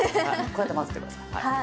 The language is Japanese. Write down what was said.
こうやって混ぜてください。